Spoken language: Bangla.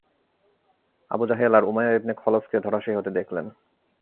আবু জাহেল আর উমাইয়া ইবনে খলফকে ধরাশায়ী হতে দেখলেন।